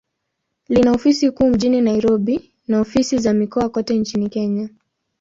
Lina ofisi kuu mjini Nairobi, na ofisi za mikoa kote nchini Kenya.